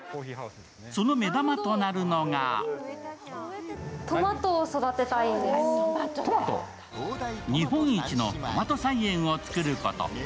その目玉となるのが日本一のトマト菜園をつくること。